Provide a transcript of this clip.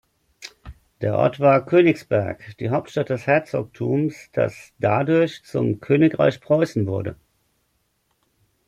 Der Ort war Königsberg, die Hauptstadt des Herzogtums, das dadurch zum "Königreich Preußen" wurde.